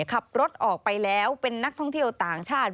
ขับรถออกไปแล้วเป็นนักท่องเที่ยวต่างชาติ